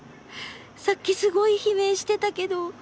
さっきすごい悲鳴してたけど。